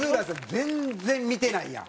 全然見てないやん。